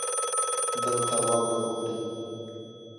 دلته واوره اوري.